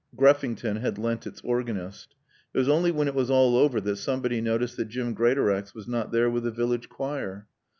(Greffington had lent its organist.) It was only when it was all over that somebody noticed that Jim Greatorex was not there with the village choir.